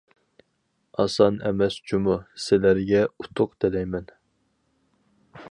ئاسان ئەمەس جۇمۇ. سىلەرگە ئۇتۇق تىلەيمەن.